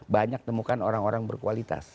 banyak temukan orang orang berkualitas